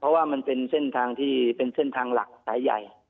เพราะว่ามันเป็นเส้นทางที่เป็นเส้นทางหลักสายใหญ่